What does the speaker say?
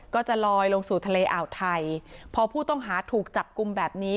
ก็จะลอยลงสู่ทะเลอ่าวไทยพอผู้ต้องหาถูกจับกลุ่มแบบนี้